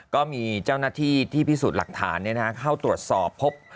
ก็มีเจ้าหน้าที่ที่พิสูจน์หลักฐานเข้าตรวจสอบพบ